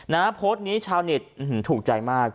นะครับโพสต์นี้ชาวนิตถูกใจมาก